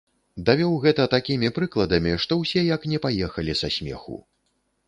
Давёў гэта такімі прыкладамі, што ўсе як не паехалі са смеху.